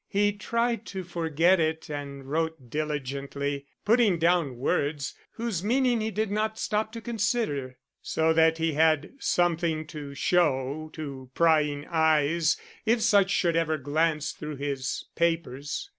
He tried to forget it and wrote diligently, putting down words whose meaning he did not stop to consider, so that he had something to show to prying eyes if such should ever glance through his papers.